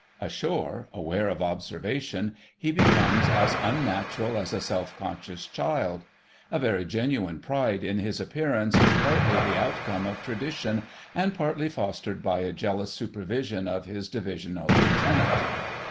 Ashore, aware of observation, he becomes as unnatural as a self conscious child. A very genuine pride in his appearance is partly the outcome of tradition and partly fostered by a jealous supervision of his Divisional Lieutenant.